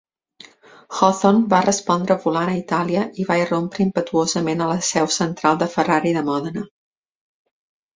Hawthorn va respondre volant a Itàlia i va irrompre impetuosament a la seu central de Ferrari de Mòdena.